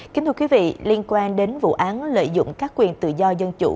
kính thưa quý vị liên quan đến vụ án lợi dụng các quyền tự do dân chủ